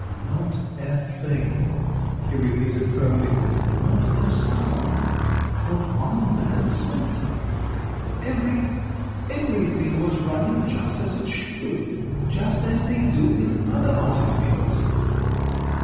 "Not a thing!" he repeated firmly. "Not a sound; not one bad symptom. Every everything was running just as it should just as they do in other automobiles."